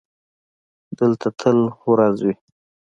دلته تل ورځ وي.